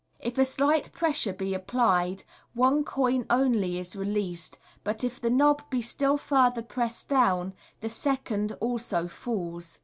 If a slight pressure be applied, one coin only is released j but if the knob be still further pressed down, the second also falls.